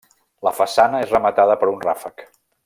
La façana és rematada per un ràfec.